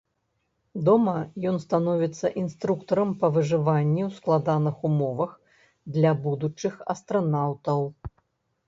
Дома ён становіцца інструктарам па выжыванні ў складаных умовах для будучых астранаўтаў.